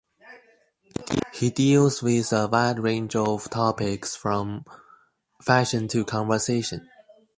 He deals with a wide range of topics from fashion to conversation.